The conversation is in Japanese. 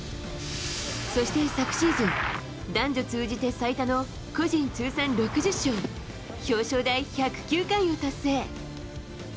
そして昨シーズン男女通じて最多の個人通算６０勝表彰台１０９回を達成！